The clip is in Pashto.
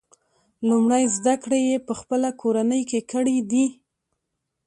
لومړۍ زده کړې یې په خپله کورنۍ کې کړي دي.